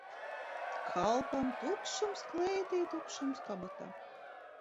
Kalpam tukšums klētī, tukšums kabatā.